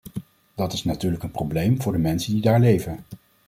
Dat is natuurlijk een probleem voor de mensen die daar leven.